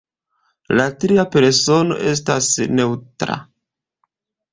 La tria persono estas neŭtra.